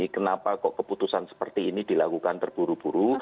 kenapa kok keputusan seperti ini dilakukan terburu buru